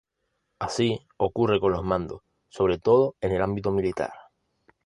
Así ocurre con los mandos, sobre todo, en el ámbito militar.